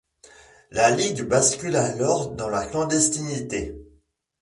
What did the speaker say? La ligue bascule alors dans la clandestinité.